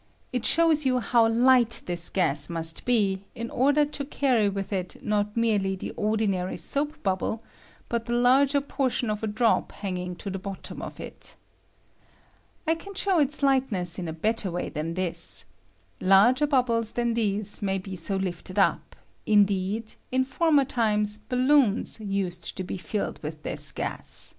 ] It shows you how light this gas must be in order to carry with it not merely the ordinary soap bubble, but the lai^er portion of a drop hanging to the bottom of it, I can show its lightness in a better way than this; larger bubbles than these may be so lifted up ; indeed, in former times balloons used to be filled with this gas.